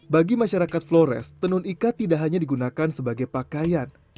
bagi masyarakat flores tenun ikat tidak hanya digunakan sebagai pakaian